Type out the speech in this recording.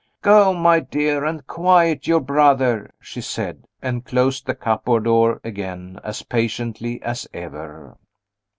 "Go, my dear, and quiet your brother," she said and closed the cupboard door again as patiently as ever.